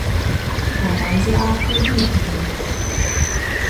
Kuo maizi ād, tuo dzīsmi dzīd.